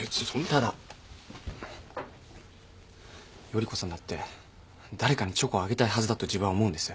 ただ依子さんだって誰かにチョコをあげたいはずだと自分は思うんです。